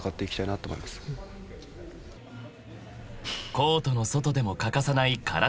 ［コートの外でも欠かさない体づくり］